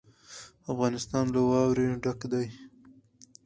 افغانستان له واوره ډک دی.